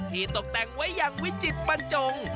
ตกแต่งไว้อย่างวิจิตบรรจง